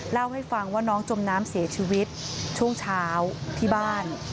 เล่าให้ฟังว่าน้องจมน้ำเสียชีวิตช่วงเช้าที่บ้าน